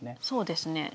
そうですね。